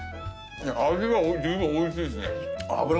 味は十分おいしいですね。